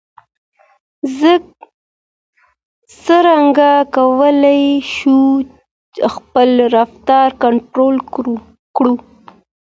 څنګه کولای شو خپل رفتار کنټرول کړو؟